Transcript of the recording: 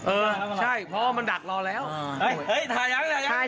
เออใช่พอมันดัดรอแล้วเออเอ้ยเฮ้ยถ่ายังถ่ายัง